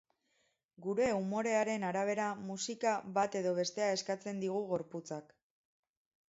Gure umorearen arabera, musika bat edo bestea eskatzen digu gorputzak.